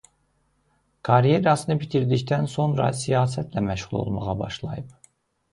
Karyerasını bitirdikdən sonra siyasətlə məşğul olmağa başlayıb.